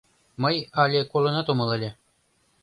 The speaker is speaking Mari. Мый але колынат омыл ыле.